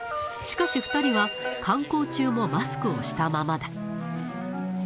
しかし２人は、観光中もマスクをしたままだ。